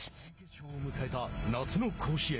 準決勝を迎えた夏の甲子園。